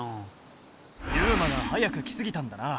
ユウマが早く来すぎたんだな。